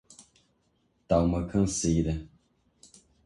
Tá uma canseira